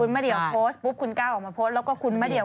สมมุติตอบนะตอบปวดตรงนี้